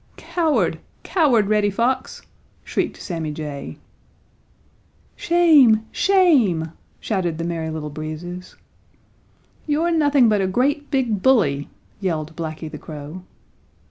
"Coward! Coward, Reddy Fox!" shrieked Sammy Jay. "Shame! Shame!" shouted the Merry Little Breezes. "You're nothing but a great big bully!" yelled Blacky the Crow.